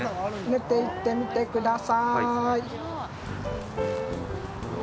寝ていってみてください。